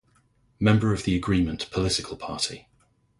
Member of the Agreement political party.